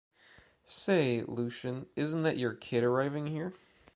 Say, Lucien, isn’t that your kid arriving here?